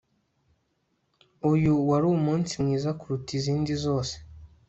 Uyu wari umunsi mwiza kuruta izindi zose